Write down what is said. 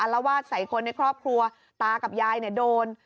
ละวาดใส่คนในครอบครัวตากับยายเนี่ยโดน